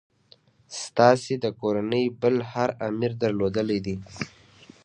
ستاسي د کورنۍ بل هر امیر درلودلې ده.